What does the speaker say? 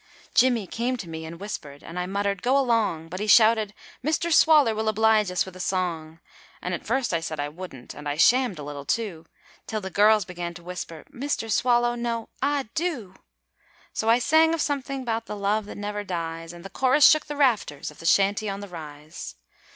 Jimmy came to me and whispered, and I muttered, 'Go along!' But he shouted, 'Mr. Swaller will oblige us with a song!' And at first I said I wouldn't, and I shammed a little too, Till the girls began to whisper, 'Mr. Swallow, now, ah, DO!' So I sang a song of something 'bout the love that never dies, And the chorus shook the rafters of the Shanty on the Rise.